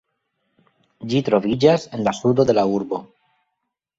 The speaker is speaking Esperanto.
Ĝi troviĝas en la sudo de la urbo.